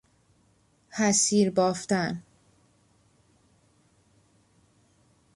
حصیر بافتن